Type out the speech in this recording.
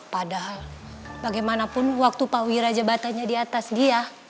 padahal bagaimanapun waktu pak wira jabatannya di atas dia